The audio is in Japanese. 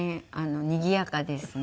にぎやかですね。